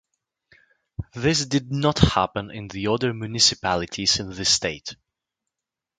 This did not happen in other municipalities in the state.